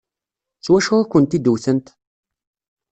S wacu i kent-id-wtent?